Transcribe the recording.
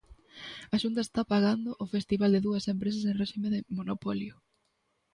A Xunta está pagando o festival de dúas empresas en réxime de monopolio.